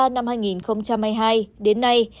năm hai nghìn hai mươi hai đến nay